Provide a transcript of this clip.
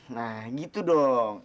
nah gitu dong